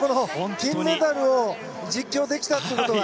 金メダルを実況できたということは。